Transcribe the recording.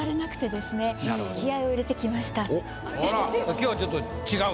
今日はちょっと違う？